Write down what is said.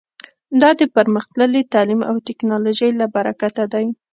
دا د پرمختللي تعلیم او ټکنالوژۍ له برکته دی